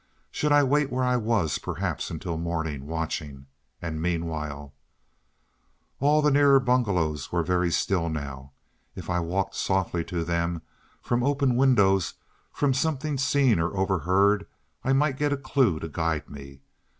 Should I wait where I was—perhaps until morning—watching? And meanwhile——— All the nearer bungalows were very still now. If I walked softly to them, from open windows, from something seen or overheard, I might get a clue to guide me.